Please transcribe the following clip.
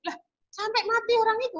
lah sampai mati orang itu